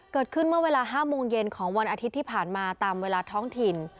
เมื่อเวลา๕โมงเย็นของวันอาทิตย์ที่ผ่านมาตามเวลาท้องถิ่น